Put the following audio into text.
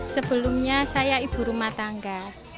sebelumnya saya ibu rumah tangga